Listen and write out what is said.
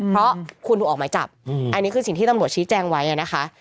เพราะคุณถูกออกหมายจับอันนี้คือสิ่งที่ตำรวจชี้แจงไว้นะคะ